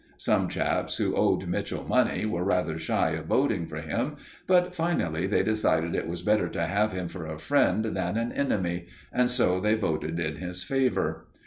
Some chaps, who owed Mitchell money, were rather shy of voting for him; but finally they decided it was better to have him for a friend than an enemy, and so they voted in his favour.